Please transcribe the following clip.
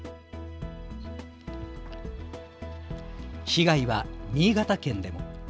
被害は新潟県でも。